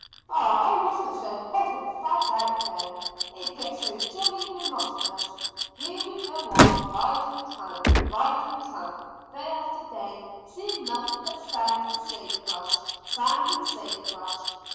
"Ah, I wasn't so hot and fagged out then. It gets so jolly monotonous. Here we go on, ride and tramp, ride and tramp, day after day, seeing nothing but sand and sage brush, sand and sage brush.